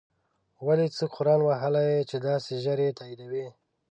ولی څه قرآن وهلی یی چی داسی ژر یی تاییدوی